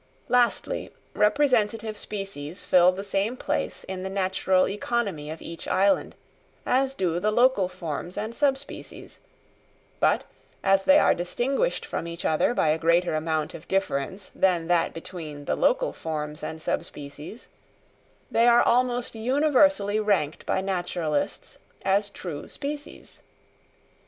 Lastly, representative species fill the same place in the natural economy of each island as do the local forms and sub species; but as they are distinguished from each other by a greater amount of difference than that between the local forms and sub species, they are almost universally ranked by naturalists as true species.